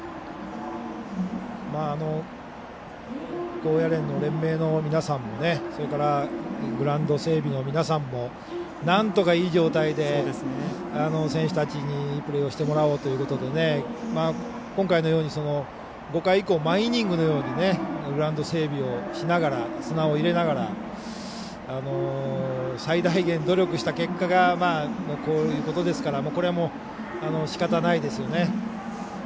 高野連の連盟の皆さんもそれからグラウンド整備の皆さんもなんとかいい状態で選手たちにプレーをしてもらおうということで今回のように５回以降毎イニングのようにグラウンド整備をしながら砂を入れながら最大限、努力した結果がこういうことですから、これはしかたないですよね。